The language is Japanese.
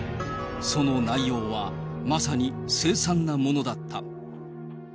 その内容はまさに凄惨なものだった。